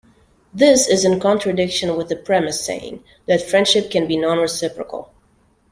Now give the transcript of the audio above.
This is in contradiction with the premise saying, that friendship can be non-reciprocal.